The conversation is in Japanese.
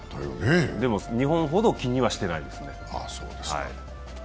でも、日本ほど気にはしてないですね。